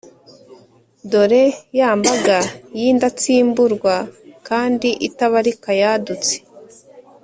Dore, ya mbaga y’indatsimburwa kandi itabarika yadutse,